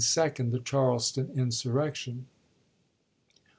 second the Charleston insurrection.